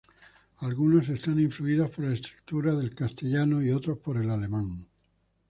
Algunos están influidos por la escritura del castellano y otros por el alemán.